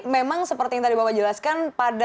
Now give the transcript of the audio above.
memang seperti yang tadi bapak jelaskan pada